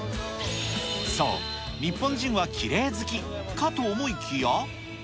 そう、日本人はきれい好きかと思いきや。